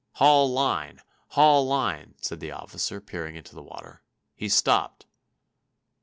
"Haul line! haul line!" said the officer, peering into the water. "He's stopped."